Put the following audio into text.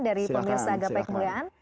dari pemirsa gapai kemuliaan